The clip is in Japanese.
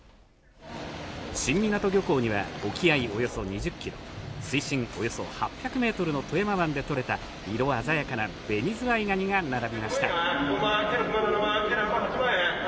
新湊漁港には、沖合およそ２０キロ、水深およそ８００メートルの富山湾で取れた、色鮮やかなベニズワイガニが並びました。